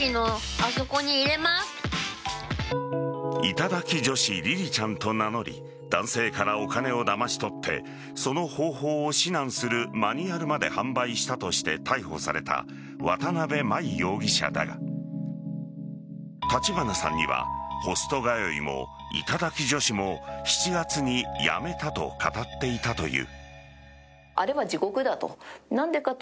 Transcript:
頂き女子りりちゃんと名乗り男性からお金をだまし取ってその方法を指南するマニュアルまで販売したとして逮捕された渡辺真衣容疑者だが立花さんには、ホスト通いも頂き女子も７月に辞めたと語っていたという。